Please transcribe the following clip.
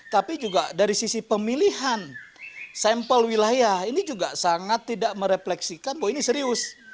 tapi juga dari sisi pemilihan sampel wilayah ini juga sangat tidak merefleksikan bahwa ini serius